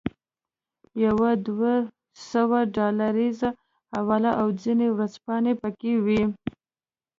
یوه دوه سوه ډالریزه حواله او ځینې ورځپاڼې پکې وې.